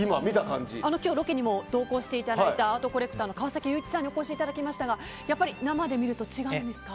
今日、ロケにも同行していただいたアートコレクターの川崎祐一さんにお越しいただきましたがやっぱり、生で見ると違うんですか？